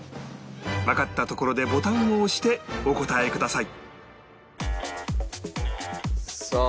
わかったところでボタンを押してお答えくださいさあ。